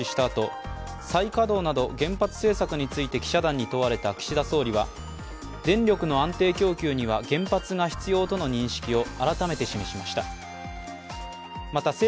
あと再稼働など原発政策について記者団に問われた岸田総理は、電力の安定供給には原発が必要との認識を改めて示しました。